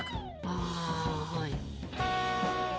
あはい。